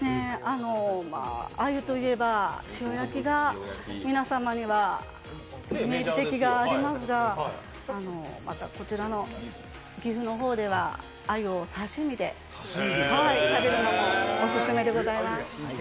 あゆといえば塩焼きが皆様にはイメージ的にありますがこちらの岐阜の方ではあゆを刺身で食べるのがオススメです。